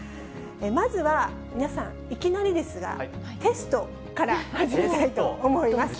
まずは、皆さん、いきなりですが、テストから始めたいと思います。